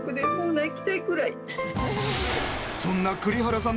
そんな栗原さん。